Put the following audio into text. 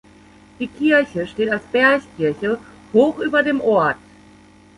Die Kirche steht als "Bergkirche" hoch über dem Ort.